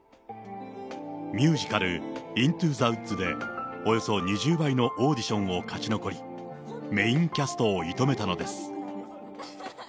ミュージカル、イントゥ・ザ・ウッズで、およそ２０倍のオーディションを勝ち残り、メインキャストを射止めたのです。